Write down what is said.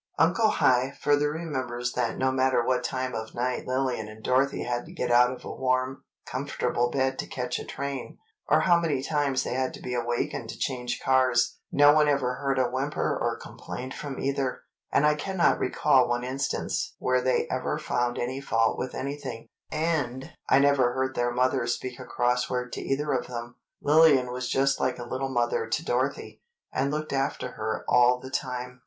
"Uncle High" further remembers that "no matter what time of night Lillian and Dorothy had to get out of a warm, comfortable bed to catch a train, or how many times they had to be awakened to change cars, no one ever heard a whimper or complaint from either, and I cannot recall one instance where they ever found any fault with anything, and I never heard their mother speak a cross word to either of them. Lillian was just like a little mother to Dorothy, and looked after her all the time.